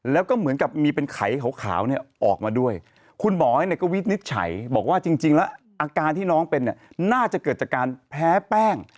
แล้วก็เหมือนกับมีเป็นไขขาวเนี่ยออกมาด้วยคุณหมอเนี่ยก็วินิจฉัยบอกว่าจริงแล้วอาการที่น้องเป็นเนี่ยน่าจะเกิดจากการแพ้แป้ง